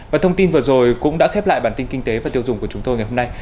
và thông tin vừa rồi cũng đã khép lại bản tin kinh tế và tiêu dùng của chúng tôi ngày hôm nay